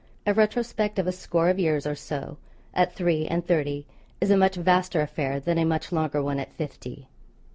A retrospect of a score of years or so, at three and thirty, is a much vaster affair than a much longer one at fifty.